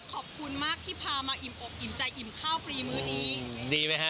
ขอบคุณมากที่พามาอิ่มอกอิ่มใจอิ่มข้าวฟรีมื้อนี้ดีไหมฮะ